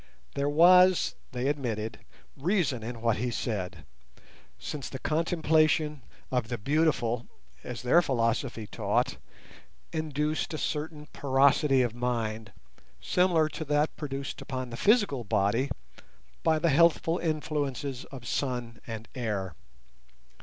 There was, they admitted, reason in what he said, since the contemplation of the beautiful, as their philosophy taught, induced a certain porosity of mind similar to that produced upon the physical body by the healthful influences of sun and air.